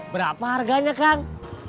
berapa harganya kang